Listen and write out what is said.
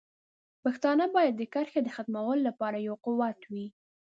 پښتانه باید د دې کرښې د ختمولو لپاره یو قوت وي.